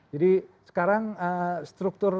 jadi sekarang struktur